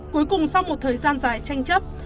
cuối cùng sau một thời gian dài tranh chấp